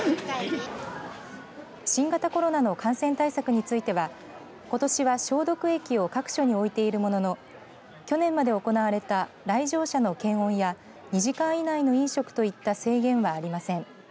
新型コロナの感染対策についてはことしは消毒液を各所に置いているものの去年まで行われた来場者の検温や２時間以内の飲食といった制限はありません。